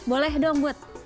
boleh dong bud